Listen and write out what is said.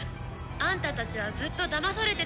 「あんたたちはずっとだまされてたの」